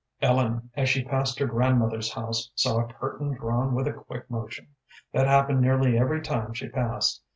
Ellen, as she passed her grandmother's house, saw a curtain drawn with a quick motion. That happened nearly every time she passed.